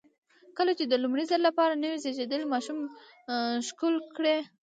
کله چې د لومړي ځل لپاره نوی زېږېدلی ماشوم ښکل کړئ.